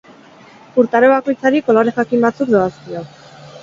Urtaro bakoitzari, kolore jakin batzuk doazkio.